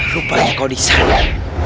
rupanya kau di sana